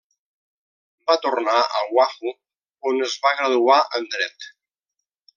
Va tornar a Oahu, on es va graduar en dret.